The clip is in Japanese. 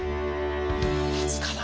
立つかな。